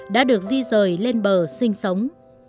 đã được di rời lên bờ sinh sống